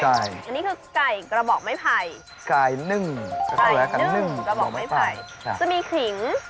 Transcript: อันนี้คือไก่กระบอกไม้ไผ่ไก่นึ่งกระบอกไม้ไผ่จะมีขิง